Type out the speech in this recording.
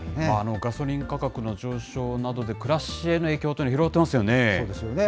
ガソリン価格の上昇などで、暮らしへの影響というのは広がっそうですよね。